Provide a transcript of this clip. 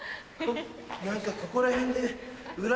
何かここら辺で。